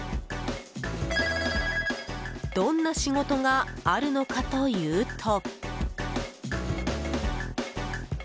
どんな仕事があるのかというと。